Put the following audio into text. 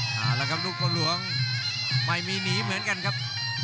เอาละครับลูกพ่อหลวงไม่มีหนีเหมือนกันครับ